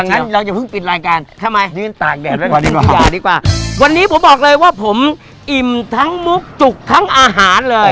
ดังนั้นเราจะพึ่งปิดรายการทำไมวันนี้ผมบอกเลยว่าผมอิ่มทั้งมุกจุกทั้งอาหารเลย